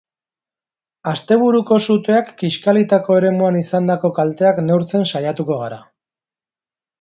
Asteburuko suteak kixkalitako eremuan izandako kalteak neurtzen saiatuko gara.